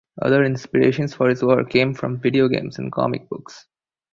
Other inspirations for his work came from video games and comic books.